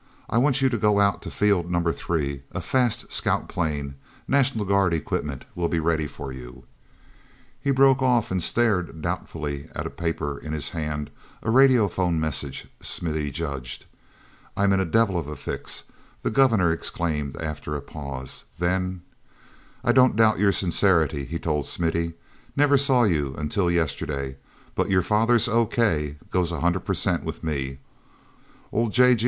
"I want you to go out to Field Number Three. A fast scout plane—National Guard equipment—will be ready for you—" He broke off and stared doubtfully at a paper in his hand, a radiophone message, Smithy judged. "I'm in a devil of a fix," the Governor exclaimed, after a pause. Then: "I don't doubt your sincerity," he told Smithy. "Never saw you till yesterday, but your father's 'O.K.' goes a hundred per cent with me. Old 'J. G.'